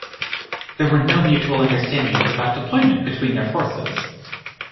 There were no mutual understandings about deployment between their forces.